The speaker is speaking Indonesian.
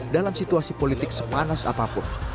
dalam situasi politik sepanas apapun